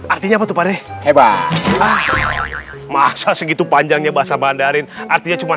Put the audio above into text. artinya apa tuh pak re hebat masa segitu panjangnya bahasa mandarin artinya cuman